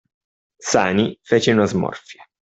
Sani fece una smorfia.